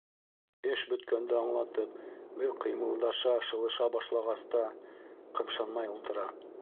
Эш бөткәнде аңлатып, беҙ ҡыймылдаша, шылыша башлағас та, ҡымшанмай ултыра.